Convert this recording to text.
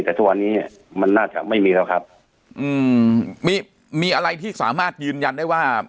แต่ทุกวันนี้มันน่าจะไม่มีแล้วครับอืมมีมีอะไรที่สามารถยืนยันได้ว่า